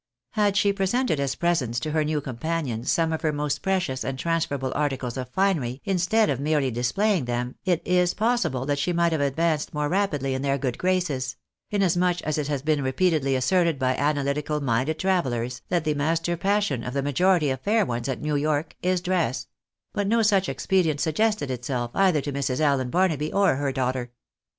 Had she presented as presents to her new companions some of her most precious and transferable articles of finery, instead of merely dis playing them, it is possible that she might have advanced more rapidly in their good graces ; inasmuch as it has been repeatedly asserted by analytical minded travellers, that the master passion of the majority of fair ones at New York is dress ; but no such ex pedient suggested itself either to Mrs. Allen Barnaby or her daughter.